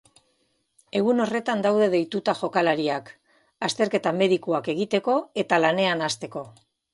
Egun horretan daude deituta jokalariak azterketa medikuak egiteko eta lanean hasteko.